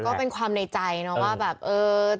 ก็เป็นความในใจเนาะว่าแบบเออ